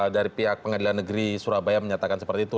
dari pihak pengadilan negeri surabaya menyatakan seperti itu